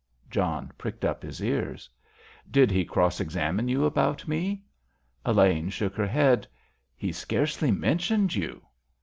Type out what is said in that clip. John pricked up his ears. "Did he cross examine you about me?" Elaine shook her head. "He scarcely mentioned you."